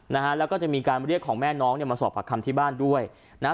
นะฮะแล้วก็จะมีการเรียกของแม่น้องเนี่ยมาสอบปากคำที่บ้านด้วยนะฮะ